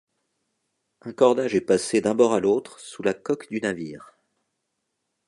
Un cordage est passé d'un bord à l'autre sous la coque du navire.